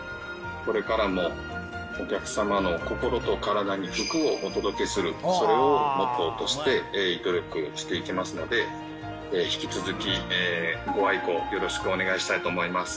これからもお客様の心と体に福をお届けする、それをモットーとして鋭意努力していきますので、引き続きご愛顧よろしくお願いしたいと思います。